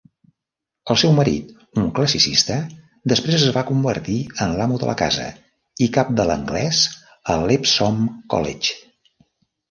El seu marit, un classicista, després es va convertir en l'amo de la casa i cap de l'anglès a l'Epsom College.